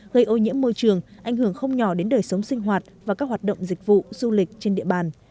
gây ô nhiễm môi trường ảnh hưởng không nhỏ đến đời sống sinh hoạt và các hoạt động dịch vụ du lịch trên địa bàn